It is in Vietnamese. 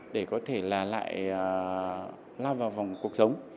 để có thể lại lao vào vòng cuộc sống